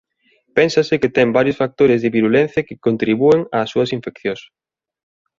Pénsase que ten varios factores de virulencia que contribúen ás súas infeccións.